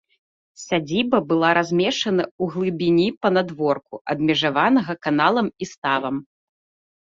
Сядзіба была размешчана ў глыбіні панадворку, абмежаванага каналам і ставам.